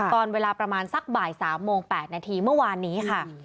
ตอนเวลาประมาณสักบ่าย๓โมง๘นาทีเมื่อวานนี้ค่ะ